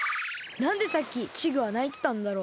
なんでさっきチグはないてたんだろう。